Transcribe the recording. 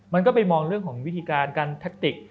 มันก็ไปมองเรื่องของวิธีการการแทคติก